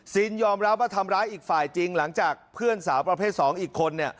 ยอมรับว่าทำร้ายอีกฝ่ายจริงหลังจากเพื่อนสาวประเภท๒อีกคน